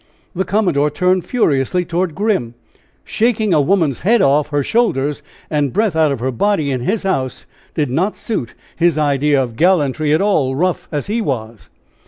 The commodore turned furiously toward Grim. Shaking a woman's head off her shoulders, and breath out of her body, in his house, did not suit his ideas of gallantry at all, rough as he was.